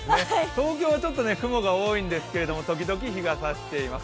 東京はちょっと雲が多いんですけど、時々日がさしています。